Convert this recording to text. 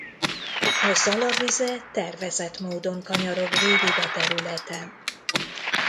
A Zala vize tervezett módon kanyarog végig a területen.